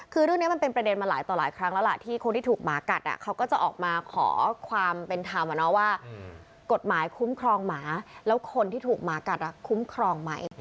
คือเรื่องนี้มันเป็นประเด็นมาหลายต่อหลายครั้งแล้วล่ะที่คนที่ถูกหมากัดเขาก็จะออกมาขอความเป็นธรรมว่ากฎหมายคุ้มครองหมาแล้วคนที่ถูกหมากัดคุ้มครองไหม